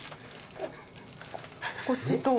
こっちと。